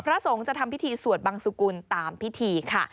พระสงฆ์จะทำพิธีสวดบังสุกุลตามพิธีค่ะ